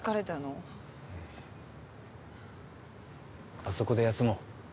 あそこで休もう。